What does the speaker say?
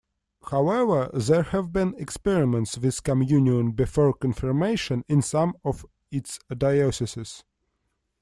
However, there have been experiments with communion before confirmation in some of its dioceses.